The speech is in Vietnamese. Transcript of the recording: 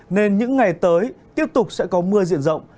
nên những ngày tới tiếp tục sẽ có mưa diện rộng